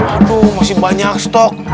aduh masih banyak stok